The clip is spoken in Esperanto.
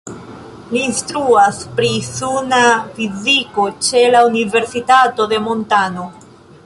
Li instruas pri suna fiziko ĉe la Universitato de Montano.